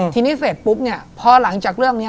ทีนี้เสร็จปุ๊บเนี่ยพอหลังจากเรื่องนี้